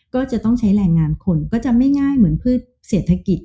ก็จะต้องใช้แรงงานคนก็จะไม่ง่ายเหมือนพืชเศรษฐกิจ